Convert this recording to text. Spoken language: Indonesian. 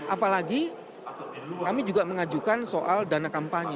apalagi kami juga mengajukan soal dana kampanye